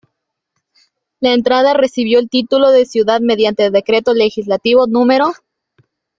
La Entrada recibió el Título de ciudad mediante Decreto legislativo No.